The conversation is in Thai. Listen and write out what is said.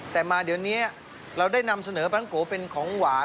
แต่มาเดี๋ยวนี้เราได้นำเสนอแบงโกเป็นของหวาน